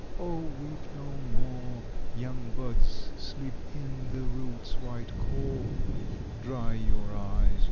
—O weep no more, Young buds sleep in the roots' white core. Dry your eyes!